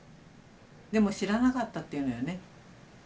でも知らなかったっていうのよね。